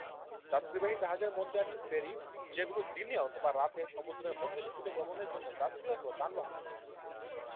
যাত্রীবাহী জাহাজের মধ্যে আছে ফেরি, যেগুলো দিনে অথবা রাতে সমুদ্রের মধ্যে ছোট ভ্রমণের জন্য যাত্রী অথবা যানবাহন পরিবহন করে।